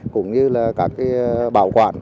cũng như các bảo quản